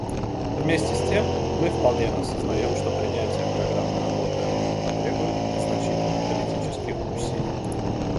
Вместе с тем, мы вполне осознаем, что принятие программы работы потребует значительных политических усилий.